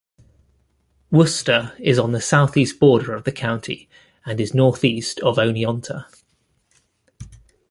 Worcester is on the southeast border of the county and is northeast of Oneonta.